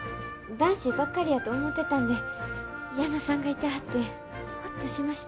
男子ばっかりやと思ってたんで矢野さんがいてはってホッとしました。